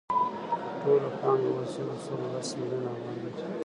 ټوله پانګه اوس یو سل لس میلیونه افغانۍ ده